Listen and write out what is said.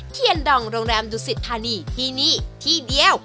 เทียนดองโรงแรมดุสิทธานีที่นี่ที่เดียว